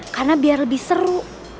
karena biar lebih seru